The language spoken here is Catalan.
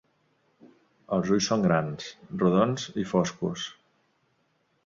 Els ulls són grans, rodons i foscos.